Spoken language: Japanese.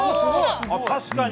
確かに。